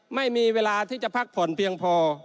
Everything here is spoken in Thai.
ไม่มีเวลาที่จะพักผ่อนเพียงพอ